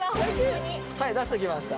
はい出しときました。